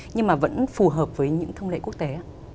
nhưng mà vẫn phù hợp với những thông lệ quốc tế